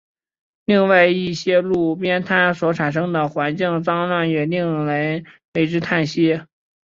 另外一些路边摊所产生的环境脏乱也令为之叹息。